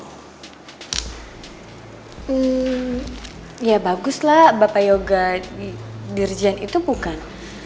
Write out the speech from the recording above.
hmm ya baguslah bapak yoga dirjen itu bukan